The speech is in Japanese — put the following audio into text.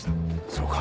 そうか。